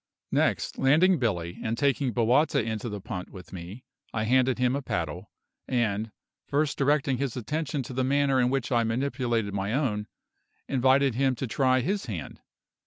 Next, landing Billy and taking Bowata into the punt with me, I handed him a paddle, and, first directing his attention to the manner in which I manipulated my own, invited him to try his hand.